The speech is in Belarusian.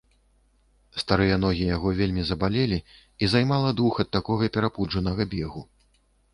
Старыя ногі яго вельмі забалелі, і займала дух ад такога перапуджанага бегу.